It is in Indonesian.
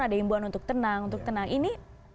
ada imbauan untuk tenang untuk tenang ini